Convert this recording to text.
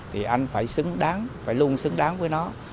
thì anh phải xứng đáng phải luôn xứng đáng với nó